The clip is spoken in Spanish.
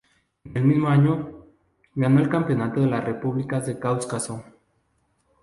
En el mismo año, ganó el Campeonato de las Repúblicas del Cáucaso.